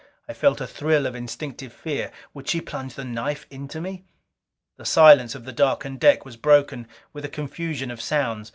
I felt a thrill of instinctive fear would she plunge that knife into me? The silence of the darkened deck was broken with a confusion of sounds.